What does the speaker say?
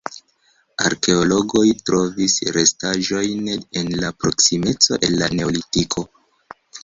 Arkeologoj trovis restaĵojn en la proksimeco el la neolitiko.